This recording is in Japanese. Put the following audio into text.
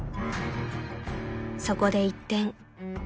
［そこで一転］